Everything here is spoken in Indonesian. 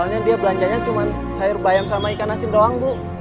soalnya dia belanjanya cuma sayur bayam sama ikan asin doang bu